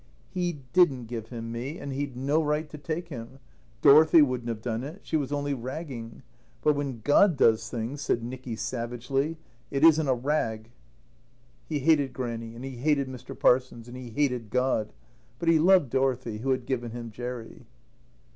"He didn't give him me, and he'd no right to take him. Dorothy wouldn't have done it. She was only ragging. But when God does things," said Nicky savagely, "it isn't a rag." He hated Grannie, and he hated Mr. Parsons, and he hated God. But he loved Dorothy who had given him Jerry.